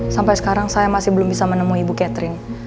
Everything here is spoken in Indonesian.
sampai sekarang saya masih belum bisa menemui ibu catering